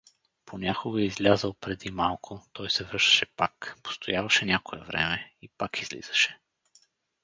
Понякога, излязъл преди малко, той се връщаше пак, постояваше някое време и пак излизаше.